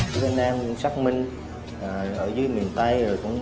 việt nam xác minh ở dưới miền tây